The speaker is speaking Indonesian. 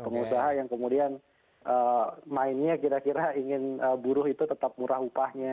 pengusaha yang kemudian mainnya kira kira ingin buruh itu tetap murah upahnya